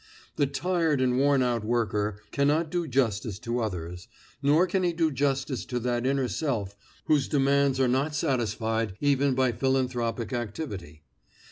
The tired and worn out worker cannot do justice to others, nor can he do justice to that inner self whose demands are not satisfied even by philanthropic activity.